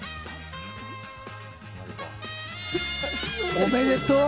おめでとう！